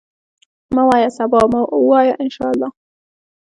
مه وایه سبا، وایه ان شاءالله.